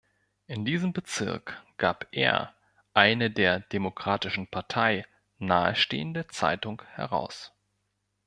In diesem Bezirk gab er eine der Demokratischen Partei nahestehende Zeitung heraus.